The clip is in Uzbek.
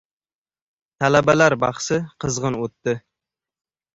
Talabalar bahsi qizg‘in o‘tdi